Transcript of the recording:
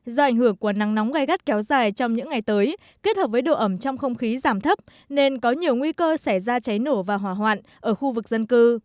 do ảnh hưởng của nắng nóng gai gắt kéo dài trong những ngày tới kết hợp với độ ẩm trong không khí giảm thấp nên có nhiều nguy cơ xảy ra cháy nổ và hỏa hoạn ở khu vực dân cư